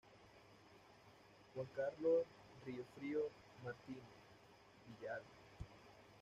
Juan Carlos Riofrío Martínez-Villalba.